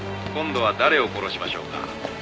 「今度は誰を殺しましょうか？」